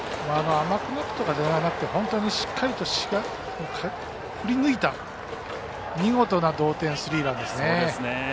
甘くなったというよりも本当にしっかりと振り抜いた見事な同点スリーランですね。